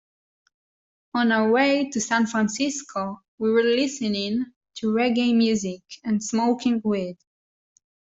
On our way to San Francisco, we were listening to reggae music and smoking weed.